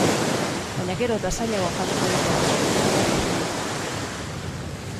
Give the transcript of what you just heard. Baina gero eta zailago jarriko dute elkartasuna.